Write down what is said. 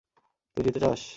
তুই যেতে চাস?